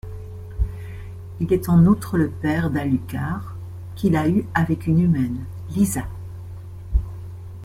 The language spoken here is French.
Il est en outre le père d'Alucard, qu'il a eu avec une humaine, Lisa.